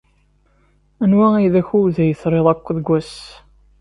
Anwa ay d akud ay trid akk deg wass?